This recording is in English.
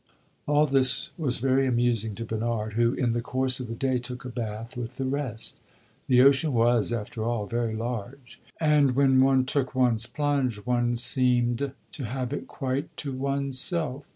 All this was very amusing to Bernard, who in the course of the day took a bath with the rest. The ocean was, after all, very large, and when one took one's plunge one seemed to have it quite to one's self.